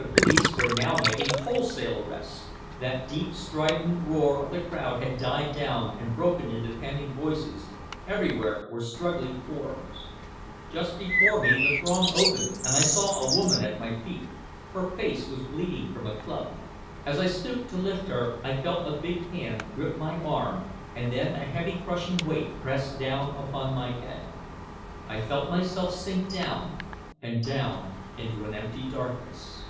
The police were now making wholesale arrests. That deep strident roar of the crowd had died down and broken into panting voices, everywhere were struggling forms. Just before me the throng opened and I saw a woman at my feet. Her face was bleeding from a club. As I stooped to lift her, I felt a big hand grip my arm and then a heavy, crushing weight press down upon my head. I felt myself sink down and down into an empty darkness.